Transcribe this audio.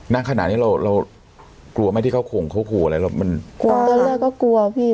น่าขนาดนี้เรากลัวไหมที่เขาขงเขากลัวอะไรเราก็กลัวพี่